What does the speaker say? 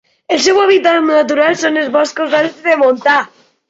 El seu hàbitat natural són els boscos alts de montà.